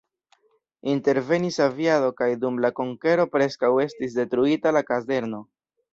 Intervenis aviado kaj dum la konkero preskaŭ estis detruita la kazerno.